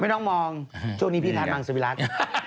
ไม่ต้องมองช่วงนี้พี่ทานมังสวิรักษณ์